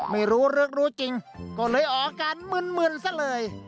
ไม่รู้เรื่องรู้จริงก็เลยออกอาการมึนซะเลย